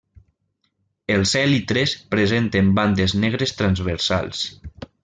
Els èlitres presenten bandes negres transversals.